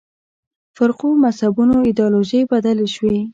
فرقو مذهبونو ایدیالوژۍ بدلې شوې.